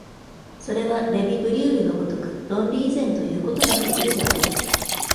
それはレヴィ・ブリュールの如く論理以前ということができるであろう。